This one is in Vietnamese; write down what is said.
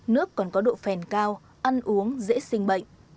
nước còn có độ phèn cao ăn uống dễ sinh bệnh